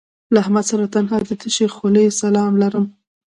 له احمد سره تنها د تشې خولې سلام لرم